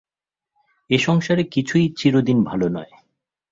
এ সংসারে কিছুই চিরদিন ভাল নয়।